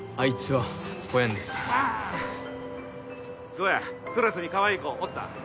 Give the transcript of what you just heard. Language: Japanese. どやクラスにかわいい子おった？